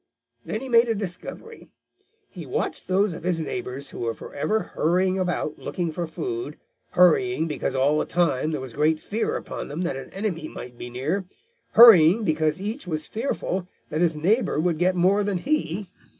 Then he made a discovery. He watched those of his neighbors who were forever hurrying about looking for food, hurrying because all the time there was great fear upon them that an enemy might be near, hurrying because each was fearful that his neighbor would get more than he.